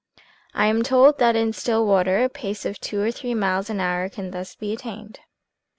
I am told that in still water a pace of two or three miles an hour can be thus attained."